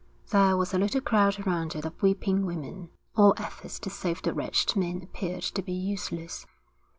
There was a little crowd around it of weeping women. All efforts to save the wretched men appeared to be useless.